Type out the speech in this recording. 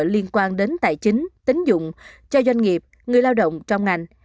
liên quan đến tài chính tính dụng cho doanh nghiệp người lao động trong ngành